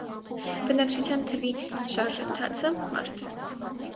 Բնակչության թվի շարժընթացը, մարդ։